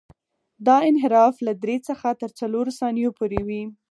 دا انحراف له درې څخه تر څلورو ثانیو پورې وي